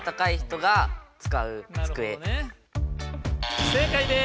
不正解です。